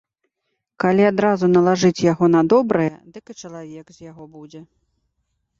Калі адразу налажыць яго на добрае, дык і чалавек з яго будзе.